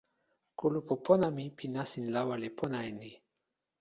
kulupu pona mi pi nasin lawa li pona e ni.